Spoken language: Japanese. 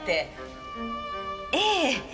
ええ。